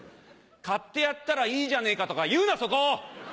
『買ってやったらいいじゃねえか』とか言うなそこ！